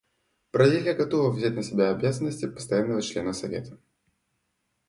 Бразилия готова взять на себя обязанности постоянного члена Совета.